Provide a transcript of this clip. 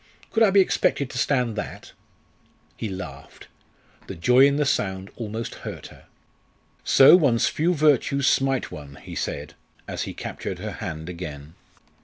Could I be expected to stand that?" He laughed. The joy in the sound almost hurt her. "So one's few virtues smite one," he said as he captured her hand again.